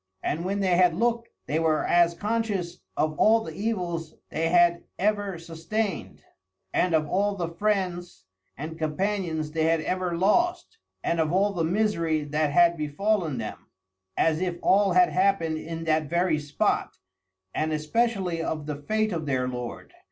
And when they had looked they were as conscious of all the evils they had ever sustained, and of all the friends and companions they had ever lost, and of all the misery that had befallen them, as if all had happened in that very spot; and especially of the fate of their lord.